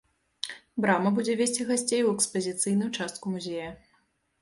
Брама будзе весці гасцей у экспазіцыйную частку музея.